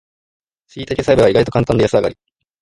しいたけ栽培は意外とカンタンで安上がり